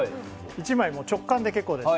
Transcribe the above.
１枚直感で結構です。